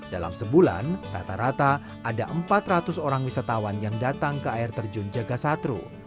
dalam sebulan rata rata ada empat ratus orang wisatawan yang datang ke air terjun jaga satro